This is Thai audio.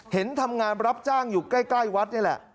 เห็นทำงานรับจ้างอยู่ใกล้วัดนี่แหละ